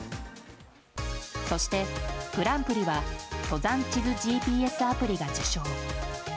そしてグランプリは登山地図ＧＰＳアプリが受賞。